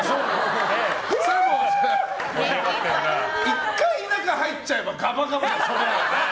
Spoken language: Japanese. １回中に入っちゃえばがばがばです。